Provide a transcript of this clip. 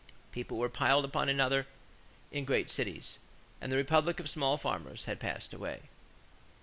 People were "piled upon one another in great cities" and the republic of small farmers had passed away.